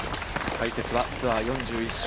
解説はツアー４１勝。